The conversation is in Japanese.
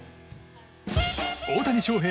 大谷翔平